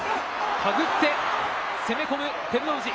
手繰って、攻め込む、照ノ富士。